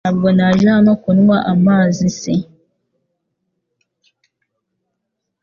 Ntabwo naje hano kunywa amazis